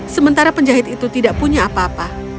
sementara penjahit itu tidak punya apa apa